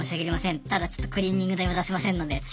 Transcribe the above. ただちょっとクリーニング代は出せませんのでって。